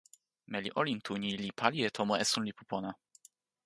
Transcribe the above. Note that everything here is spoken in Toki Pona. meli olin tu ni li pali e tomo esun lipu pona.